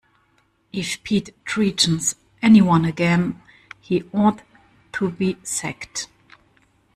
If Pete threatens anyone again he ought to be sacked.